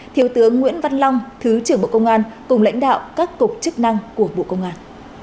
thiếu tướng nguyễn văn long thứ trưởng bộ công an cùng lãnh đạo các cục chức năng của bộ công an